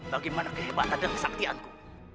bagaimana kehebatan dan kesaktianku